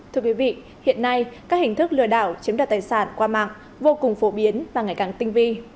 thưa quý vị hiện nay các hình thức lừa đảo chiếm đoạt tài sản qua mạng vô cùng phổ biến và ngày càng tinh vi